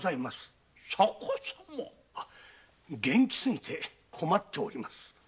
実は元気すぎて困っております。